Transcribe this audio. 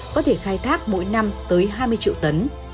có thể khai thác mỗi năm tới hai mươi triệu tấn